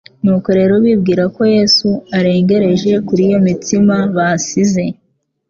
Nuko rero bibwiye ko Yesu arengereje kuri iyo mitsima basize,